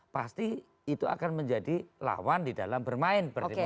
pasti itu akan menjadi lawan di dalam bermain berdemok